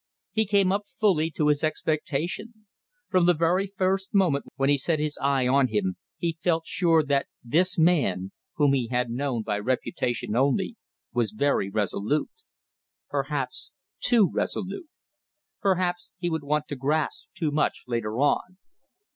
He came up fully to his expectation. From the very first moment when he set his eye on him he felt sure that this man whom he had known by reputation only was very resolute. Perhaps too resolute. Perhaps he would want to grasp too much later on.